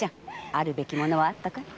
あるべきものはあったかい？